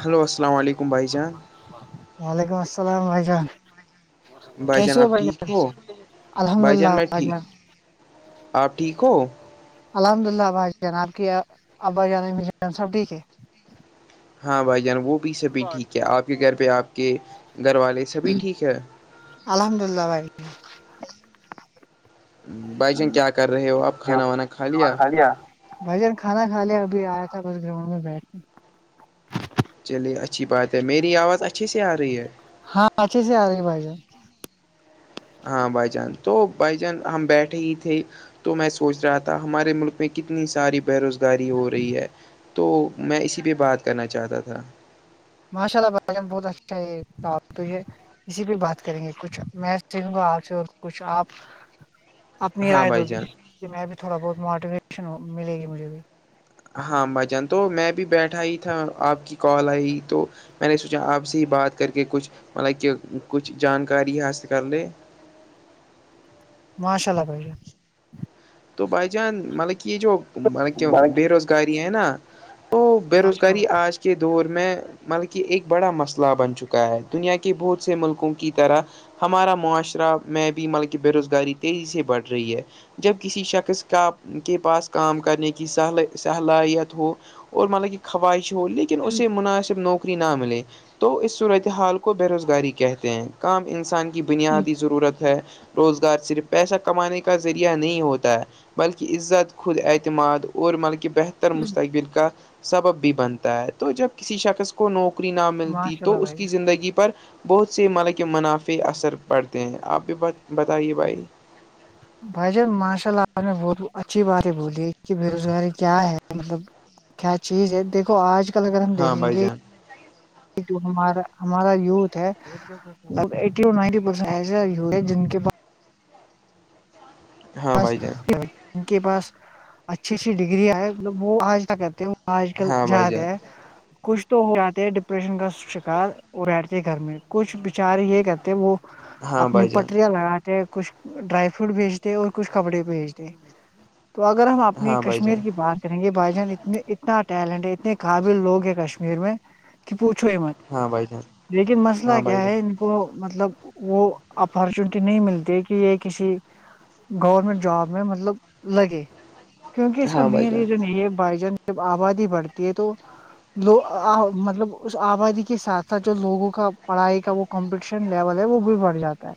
Hello السلام علیکم بھائی جان وعلیکم السلام بھائی جان بھائی جان کیسے ہو آپ ٹھیک الحمد بھائی جان اللہ میں ٹھیک آپ ٹھیک ہو الحمد اللہ بھائی جان آپ کی ابا جان سب ٹھیک ہے ہاں بھائی جان وہ بھی سبھی ٹھیک ہے آپ کے گھر پہ آپ کے گھر والے سبھی ٹھیک ہے الحمد للہ بھائی بھائی جان کیا کر رہے ہو آپ کھانا وانا کھا لیا بھائیان کھانا کھا لیا ابھی آیا تھا بس گراؤنڈ میں بیٹھ چلیے اچھی بات ہے میری آواز اچھی سی آ رہی ہے ہاں اچے سےی آ رہی ہے بائی جان ہاں بھائی جان تو بھائی جان ہم بیٹھے ہی تھے تو میں سوچ رہا تھا ہمارے ملک میں کتنی ساری بے روزگاری ہو رہی ہے تو میں اسی پہ بات کرنا چاہتا تھا ماشاء اللہ بائیان بہت اچھا ہے آپ تو یہ اسی پہ بات کریں گے کچھ میں سیکھوں گا آپ سے اور کچھ آپ اپنی ہاں رائے د بھائی ہوگی جان ج میں بھی تھوڑا بہت موٹیویشن ملے گی مجھے بھی ہاں بھجان تو میں بھی بیٹھا ہی تھا آپ کی کال آئی تو میں نے سوچا آپ سے ہی بات کر کے کچھ مطلب کہ کچھ جانکاری حاصل کر لے ماشاء اللہ بھا تو بائی جان مطلب کہ یہ جو مطب کہ جان بے روزگاری ہے نا تو بے ماشاء روزگاری اللہ آج کے دور میں مطلبک ایک بڑا مسئلہ بن چکا ہے دنیا کے بہت سے ملکوں کی طرح ہمارا معاشرہ میں بھی ملکہ بے روزگاری تیزی سے بڑھ رہی ہے جب کسی شخص کا کے پاس کام کرنے کی صلاحیت ہو اور ملا کہ خواہش ہو لیکن اسے مناسب نوکری نہ ملے تو اس صورتحال کو بے روزگاری کہتے ہیں کام انسان کی بنیادی ضرورت ہے روزگار صرف پیسہ کمانے کا ذریعہ نہیں ہوتا بلکہ عزت خود اعتماد اور بلکہ بہتر مستقبل کا سبب بھی بنتا ہے تو جب کسی شخص کو نوکری نہ ملتی ماشاء اللہ تو اس بھائی کی زندگی پر بہت سے مال کے منافع اثر پڑتے ہیں آپ بھی ب بتائیے بھائی بھائی جان ماشال آرٹ میں بہت اچھی بات ہے بولی ہے کہ بے روزگاری کیا ہے مطلب کیا چیز ہے دیکھو آج کل اگر ہم ہاں دیکھیں بھائی گے جان جو ہمارا ہمارا یوتھ ہے اب ایٹی نائنٹی پرسینٹ ایسے ہے جن کے پاس ہاں بھائی جان ان کے پاس اچھی اچھی ڈگگریاں ہے مطلب وہ آج کیا کرتے ہیں آج کل ہاں بھائی زیادہ جان ہے کچھ تو ہو جاتے ہے ڈپریشن کا شکار بیھتے ہے گھر میں کچھ بیچار یہ کرتے وہ ہاں اپنی بھائی جان پٹریاں لگاتے کچھ ڈرائی فروٹ بھیج تھے اور کچھ کپڑے بھیجتے تو اگر ہم اپنی ہاں بھائی کشمیر جان کی بات کریں گے بھائی جان اتنے اتنا ٹیلنٹ ہے اتنے قابل لوگ ہے کشمیر میں کہ پوچھو مت ہاں بھائی جان لیکن مسئلہ ہاں بھائی کیا ہے جان ان کو مطلب وہ اپارچونیٹی نہیں ملتی کہ یہ کسی گورنمنٹ جاب میں مطلب لگے کیونکہ اس کا ہاں بھائی مین جان ریزن یہ ہے بھائی جان جب آبادی بڑھتی ہے تو لو مطلب اس آبادی کے ساتھ ساتھ جو لوگوں کا پڑھائی کا وہ کمپٹیشن لیول ہے وہ بھی بڑھ جاتا ہے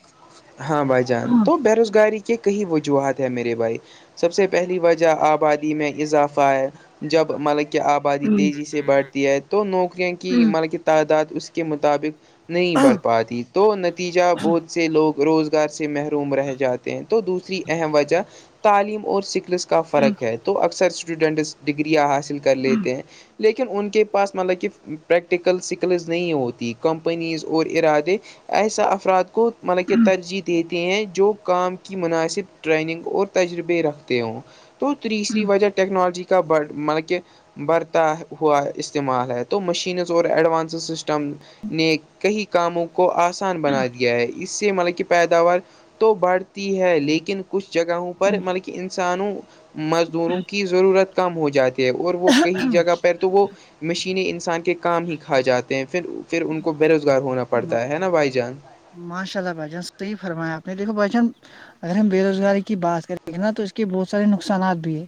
ہاں بھائی جان تو بے روزگاری کے کہیں وجوہات ہیں میرے بھائی سب سے پہلی وجہ آبادی میں اضافہ ہے جب مطلب کہ آبادی آبادی تیزی سے بڑھتی ہے تو نوکریاں کی مطلب تعداد اس کے مطابق نہیں بڑھ پاتی تو نتیجہ بہت سے لوگ روزگار سے محروم رہ جاتے ہیں تو دوسری اہم وجہ تعلیم اور سکلس کا فرق ہے تو اکثر اسٹوڈنٹس ڈگریاں حاصل کر لیتے ہیں لیکن ان کے پاس مطلب کہ پریکٹیکل اسکلز نہیں ہوتی کمپنیز اور ارادے ایسا افراد کو مطلب کہ جی دیتے ہیں جو کام کی مناسب ٹریننگ اور تجربے رکھتے ہوں تو تیسری وجہ ٹیکنالوجی کا بڑ مطلب کہہ بڑتا ہوا استعمال ہے تو مشینز اور ایڈوانسز سسٹم نے کئی کاموں کو آسان بنا دیا ہے اس سے مطلب کہ پیداوار تو بڑھتی ہے لیکن کچھ جگہوں پر مطلب کہ انسانوں مزدوروں کی ضرورت کم ہو جاتے ہے اور وہ کہیں جگہ پر تو وہ مشینیں انسان کے کام ہی کھا جاتے ہیں پھر پھر ان کو بے روزگار ہونا پڑتا ہے نا بھائی جان ماشاء اللہ بھائی جان صحیح فرمایاپ نے دیکھو بھائی جان اگر ہم بے روزگاری کی بات کریں گ نا تو اس کے بہت سے نقصانات بھی ہے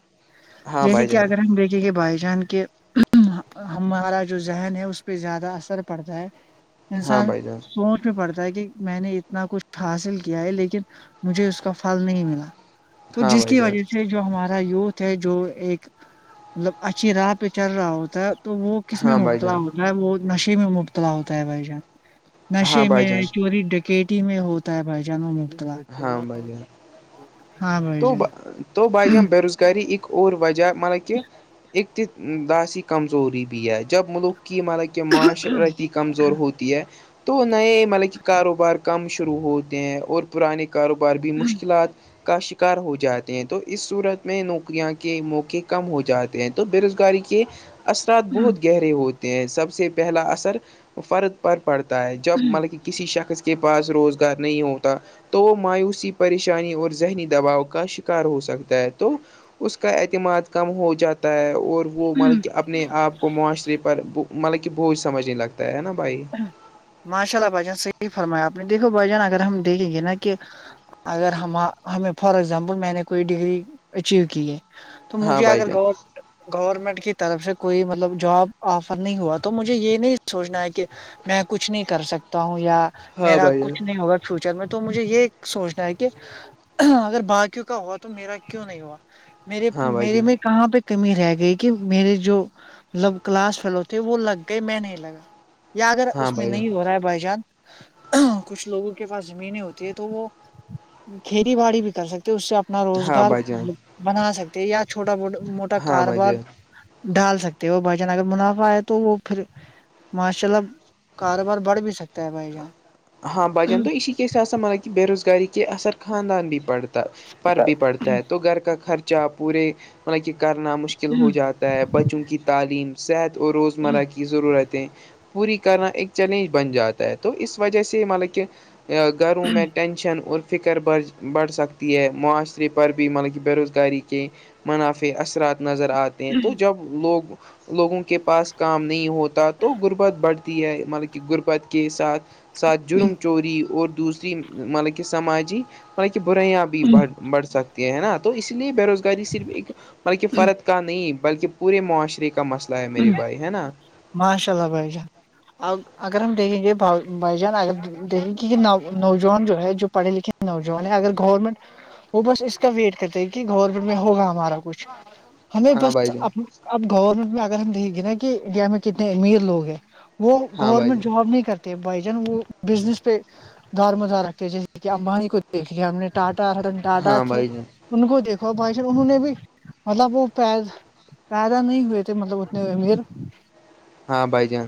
ہاں جیسے بھائی کہ جان اگر ہم دیکھیں گے بھائی جان کے ہمارا جو ذہن ہے اس پہ زیادہ اثر پڑتا ہے ہاں انسان بھائی جان سوچ میں پڑتا ہے کہ میں نے اتنا کچھ حاصل کیا ہے لیکن مجھے اس کا فھل نہیں ملا تو ہاں جس بھائی کی جان وجہ سے جو ہمارا یوتھ ہے جو ایک مطلب اچھی راہ پہ چل رہا ہوتا ہے تو وہ کس میں ہاں بھائی مبتلا جان ہوتا ہے وہ نشے میں مبتلا ہوتا ہے بھائی جان ہاں نشے بھائی میں جان چوری ڈکیٹی میں ہوتا ہے بھائی جان وہ مبتلا ہاں بھائی دو جان بھائی ہم تو بے روزگاری کرری اک اور وجہ مطلب کہہ اقتداسی کمزوری بھی ہے جب ملک کہ مطلب کہ معاشرتی کمزور ہوتی ہے تو نئے مطلب کہ کاروبار کم شروع ہوتے ہیں اور پرانے کاروبار بھی مشکلات کا شک شکار ہو جاتے ہیں تو اس صورت میں نوکریاں کے موقع کم ہو جاتے ہیں تو بے روزگاری کے اثرات بہت گہرے ہوتے ہیں سب سے پہلا اثر فرد پر پڑتا ہے جب مطلب کہ کسی شخص کے کے پاس روزگار نہیں ہوتا تو وہ مایوسی پریشانی اور ذہنی دباؤ کا شکار ہو سکتا ہے تو اس کا اعتماد کم ہو جاتا ہوتا ہے اور وہ مطب کہ اپنے آپ کو معاشرے پر مطلب کہ بوج سج نہیں لگتا ہے نا بھائی ماشاء اللہ بھ جان سےی فرمایا آپ نے دیکھو بھجان اگر ہم دیکھیں گے نا کہ اگر ہم ہمیں فار ایگزامپل میں نے کوئی ڈگری اچیو کی ہے تو ہاں مجھے بھائی اگر جان بہت گورنمنٹ کی طرف سے کوئی مطلب جاب آفر نہیں ہوا تو مجھے یہ نہیں سوچنا ہے کہ میں کچھ نہیں کر سکتا ہوں یا ہاں میرا بھائی جان کچھ نہیں ہوگا فیوچر میں تو مجھے یہ سوچنا ہے کہ اگر باقیوں کا ہوا تو میرا کیوں نہیں ہوا میرے ہاں بھائی میرے جان میں کہاں پہ کمی رہ گئی کہ میرے جو مطلب کلاس فیلو تھے وہ لگ گئے میں نہیں لگا یا اگر ہاں اس میں بھائی جان نہیں ہو رہا ہے بائی جان کچھ لوگوں کے پاس زمینیں ہوتی ہیں تو وہ کھیتی باڑی بھی کر سکتے ہو اس سے آپ اپنا ہاں روزگار بھائی جان بنا سکتے ہیں یا چھوٹا موٹا ہاں بھائی کاروبار جان ڈال سکتے ہیں وہ بھجن اگر منافع ہے تو وہ پھر شلب کاروبار بڑھ بھی سکتا ہے بھائی جان ہاں بجان تو اسشی کےس سےبان ملب کہ بے روزگاری کے اثر خاندان بھی پڑتا پر بھی پڑتا ہے تو گھر کا خرچہ پورے مط کہ کرنا مشکل ہو جاتا ہے بچوں کی تعلیم صحت وہ روزمرہ کی ضرورتیں پوری کرنا ایک چیلنج بن جاتا ہے تو اس وجہ سے یہ مطلب کہ گھروں میں ٹینشن اور فکر بڑھ بڑھ سکتی ہے معاشرے پر بھی مطلب کہ بے روزگاری کے منافع اثرات نظر آتے ہیں تو جب لوگ لوگوں کے پاس کام نہیں ہوتا تو غربت بڑھتی ہے مطلب کہ غربت کے ساتھ ساتھ جرم چوری اور دوسری مطلب کہ سماجی حالکہ برائیاں بھی بڑھ بڑھ سکتی ہے نا تو اس لیے بے روزگاری صرف ایک بلکہ فرد کا نہیں بلکہ پورے معاشرے کا مسئلہ ہے میری بھائی ہے نا ماشاء اللہ بھائی جان آ اگر ہم دیکھیں گے بھائی جان اگر دیکیں گے کہ نوجوان جو ہے جو پڑے لکھے نوجوان ہے اگر گورنمنٹ وہ بس اس کا ویٹ کرتے ہیں کہ گورنمنٹ میں ہوگا ہمارا کچھ ہمیں ہاں بس بھائی جان ا اب گورنمنٹ میں اگر ہم دیکیں گے نا کہ انڈیا میں کتنے امیر لوگ ہیں وہ ہاں بھائی گورنمنٹ جان جاب نہیں کرتے بھائی جان وہ بزنس پہ دار مزار رکھتے جیسے کہ امبانی کو دیکھ لیا ہم نے ٹاٹا ٹاٹا ہاں تھے بھائی جان ان کو دیکھو بھائیش انہوں نے بھی مطلب وہ پ پیدا نہیں ہوئے تھے مطلب نہیں میر ہاں بھائی جان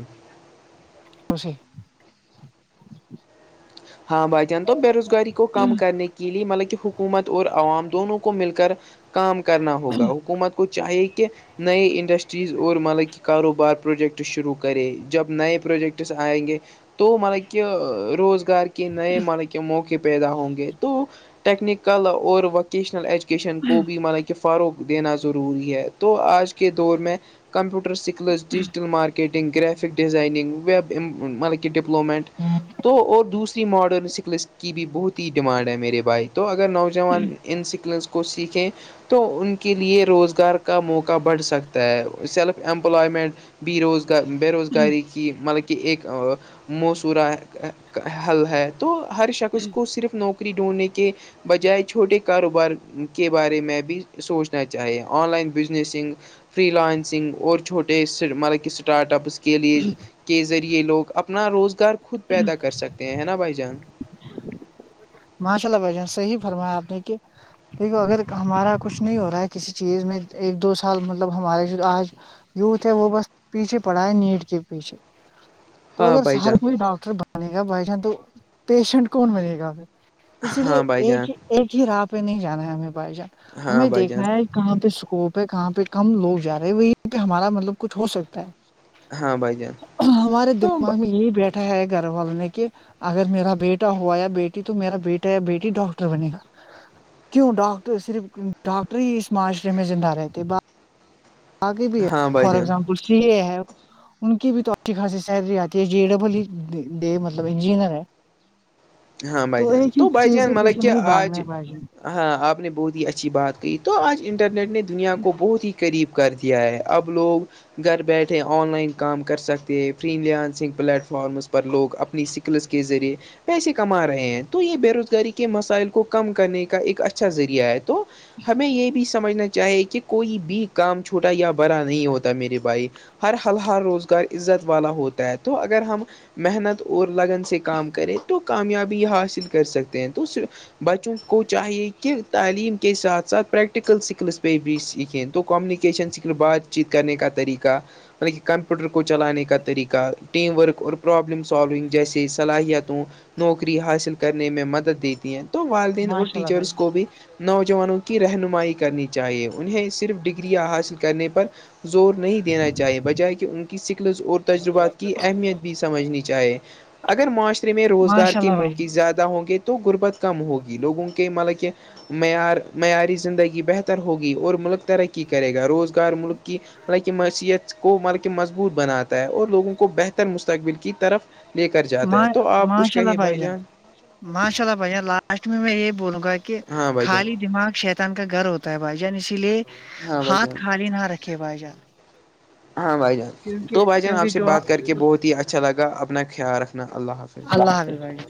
دوسے ہاں بھائی جان تو بے روزگاری کو کم کرنے لیے مطلب کہ حکومت اور عوام دونوں کو مل کر کام کرنا ہوگا حکومت کو چاہیے کہ نئے انڈسٹریز اور ملا کی کاروبار پروجیکٹس شروع کرے جب نئے پروجیکٹس آئیں گے تو مطلب کہ روزگار نئے مار کے موقع پیدا ہوں گے تو ٹیکنیکل اور وقت ووکشنل ایجوکیشن کو بھی مطلب فروغ دینا ضروری ہے تو آج کے دور میں کمپیوٹر سیکھ اس digital marketing graphic designing web مطلب ڈپلومنٹ تو اور دوسرے ماڈرن سکلس کی بھی بہت ہی ڈیمانڈ ہے میرے بھائی تو اگر نوجوان ان سکلنس کو سیکھیں تو ان کے لیے روزگار کا موقع بڑھ سکتا ہے سیلف امپلائمنٹ ب روزگار بے روزگاری کی مطلب کہ ایک موصور حل ہے تو ہر شخص کو صرف نوکری ڈھونڈنے کے بجائے چھوٹے کاروبار کے بارے میں بھی سوچنا چاہیے online businessing freelancing اور چھوٹے مطلب کہ اسٹارٹ اپس کے لیے کے ذریعے لوگ اپنا روزگار خود پیدا کر سکتے ہیں ہے نا بھائی جان ماشاء اللہ بھ جان صحیح فرمایا آپ نے کہ دیکھو اگر ہمارا کچھ نہیں ہو رہا ہے کسی چیز میں ایک دو سال مطلب ہمارے آج یوتھ ہے وہ بس پیچھے پڑھا ہے نیٹ کے پیچھے تو ہاں اگر بھائی ہر جان کوئی ڈاکٹر بنے گا بائی چانس تو پیشنٹ کون بنے گا اسی لیے ہاں بھائی جان ایک ہی ایک ہی راہ پہ نہیں جانا ہے ہمیں بائی جان ہاں ہمیں بھائی جان دیکھنا ہے کہاں پہ اسکوپ ہے کہاں پہ کم لوگ جا رہے ہیں وہیں پہ ہمارا مطلب کچھ ہو سکتا ہے ہاں بھائی جان ہمارے تو دماغ میں یہی بیھ ہے گھر والوں نے کہ اگر میرا بیٹا ہوا یا بیٹی تو تو میرا بیٹا یا بیٹی ڈاکٹر بنے گا کیوں ڈاکٹر صرف ڈاکٹر ہی اس معاشرے میں زندہ رہتے با آگے بھی ہے ہاں بھائی فار جان ایگزامپل سی اے ہے ان کی بھی تو اچھی خاصی سیلری آتی ہے جے ڈبل ہی دے مطلب انجینئر ہے ہاں بھائی جان ایک ہی تو بھائی چیز جان کے مطلب پیچھے کہ نہیں بھاگنا آج ہے بھائی جان ہاں آپ نے بہت ہی اچھی بات کہ تو آج انٹرنیٹ نے دنیا کو بہت ہی قریب کر دیا ہے اب لوگ گھر بیٹھے آن لائن کام کر سکتے ہیں فری لانسنگ پلیٹ فارمس پر لوگ اپنی س لس کے ذریعے پیسے کما رہے ہیں تو یہ بے روزگاری کے مسائل کو کم کرنے کا ایک اچھا ذریعہ ہے تو تو ہمیں یہ بھی سمجھنا چاہے کہ کوئی بھی کام چھوٹا یا بڑا نہیں ہوتا میرے بھائی ہر ہل ہال روزگار عزت والا ہوتا ہے تو اگر ہم محنت اور لگن سے کام کریں تو کامیابی حاصل کر سکتے ہیں تو بچوں کو چاہیے کہ تعلیم کے ساتھ ساتھ پرییکٹکل سکلس پہ بھی یقین کمیونیکیشن سے بات چیت کرنے کا طریقہ مطلب کہ کمپیوٹر کو چلانے کا طریقہ ٹیم ورک اور پرابلم سالونگ جیسے صلاحیتوں نوکری حاصل کرنے میں مدد دیتی ہیں تو والدین اور ماشاء اللہ بھائی ٹیچرس جان کو بھی نوجوانوں کی رہنمائی کرنی چاہیے انہیں صرف ڈگریاں حاصل کرنے پر زور نہیں دینا چاہیے بجائے کہ ان کی سکلس اور تجربات کی اہمیت بھی سمجھنی چاہے اگر معاشرے میں روزگار ماشاء کے اللہ بھائی جان موقعز زیادہ ہوں گے تو غربت کم ہوگی لوگوں کے مطلب کہ معیار معیاری زندگی بہتر ہوگی اور ملک ترقی کرے گا روز کار ملک کی حالانکہ معصیت کو ملک مضبوط بناتا ہے اور لوگوں کو بہتر مستقبل کی طرف لے کر جاتا ہے تو آپ اس ماشء اللہ بھائی جان ماشاء اللہ بھائی جان لاسٹ میں میں یہ بولوں گا کہ کہ ہاں بھائی جان خالی دماغ شیتان کا گھر ہوتا ہے بھائی جان اسی لیے ہاں بھائی ہاتھ جان خالی نہ رکھ کے بھ جان ہاں بھائی جان کیونکہ تو بھائی جان آپ کیونکہ سے جو بات کر کے اللہ بہت ہی اچھا لگا اپنا خیال رکھنا اللہ حافظ بھائی جان۔